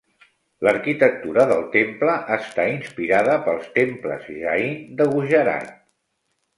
L'arquitectura del temple està inspirada pels temples Jain de Gujarat.